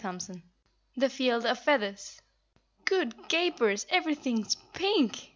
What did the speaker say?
CHAPTER 11 The Field of Feathers "Good Gapers, everything's pink!"